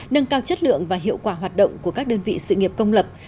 nâng cao chất lượng và hiệu quả hoạt động của các đơn vị sự nghiệp công lập